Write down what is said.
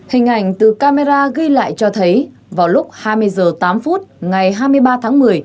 hình ảnh từ camera ghi lại cho thấy vào lúc hai mươi h tám ngày hai mươi ba tháng một mươi